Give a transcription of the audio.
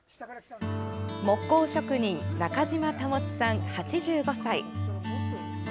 木工職人中島保さん、８５歳。